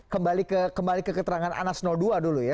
kembali ke keterangan anas dua dulu ya